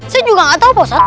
saya juga nggak tahu bosan